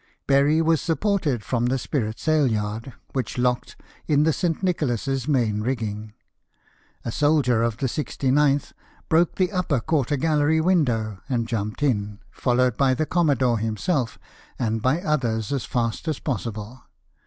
Berry was supported from the spritsailyard, which locked in the S. Nicolas s main rigging. A soldier of the 69th broke the upper quarter gallery window and jumped in, followed by the commodore himself, and by others as fast as possible.